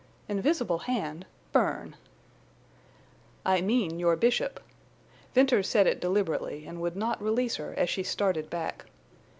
"Invisible hand? Bern!" "I mean your Bishop." Venters said it deliberately and would not release her as she started back.